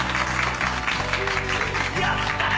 やったな！